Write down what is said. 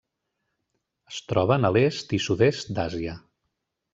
Es troben a l'est i sud-est d'Àsia.